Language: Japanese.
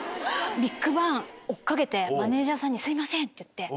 ＢＩＧＢＡＮＧ追っ掛けてマネジャーさんにすいませんって言って。